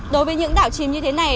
đối với những đảo chìm như thế này